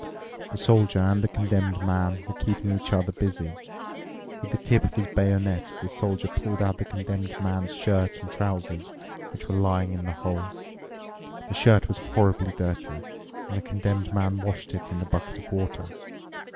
The Soldier and the Condemned Man were keeping each other busy. With the tip of his bayonet the Soldier pulled out the Condemned Man's shirt and trousers which were lying in the hole. The shirt was horribly dirty, and the Condemned Man washed it in the bucket of water.